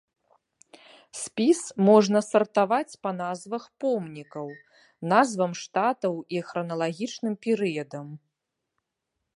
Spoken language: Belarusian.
Спіс можна сартаваць па назвах помнікаў, назвам штатаў і храналагічным перыядам.